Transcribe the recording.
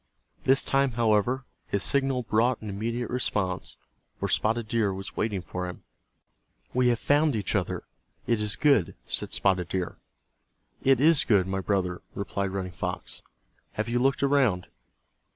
This time, however, his signal brought an immediate response, for Spotted Deer was waiting for him. "We have found each other—it is good," said Spotted Deer. "It is good, my brother," replied Running Fox. "Have you looked around?"